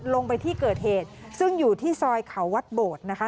ลงไปที่เกิดเหตุซึ่งอยู่ที่ซอยเขาวัดโบดนะคะ